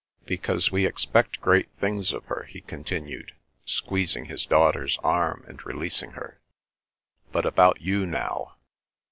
"Because we expect great things of her," he continued, squeezing his daughter's arm and releasing her. "But about you now."